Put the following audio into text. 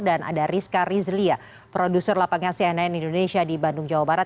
dan ada rizka rizlia produser lapangan cnn indonesia di bandung jawa barat